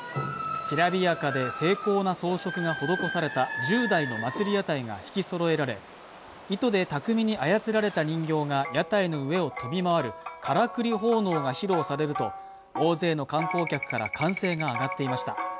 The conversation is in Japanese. きらびやかで精巧な装飾が施された１０台の祭屋台がひきそろえられ、糸で巧みに操られた人形が屋台の上を飛び回るからくり奉納が披露されると、大勢の観光客から歓声が上がっていました。